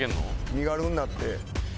身軽になって。